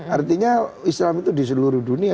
artinya islam itu di seluruh dunia